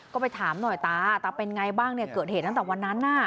ก็ไปถามหน่อยตาตาเป็นไงบ้างเนี่ยเกิดเหตุตั้งแต่วันนั้นน่ะ